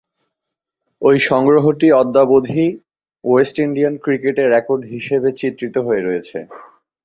ঐ সংগ্রহটি অদ্যাবধি ওয়েস্ট ইন্ডিয়ান ক্রিকেটে রেকর্ড হিসেবে চিত্রিত হয়ে রয়েছে।